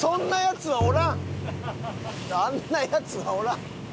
あんなヤツはおらん。